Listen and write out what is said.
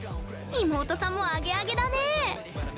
妹さんもアゲアゲだね。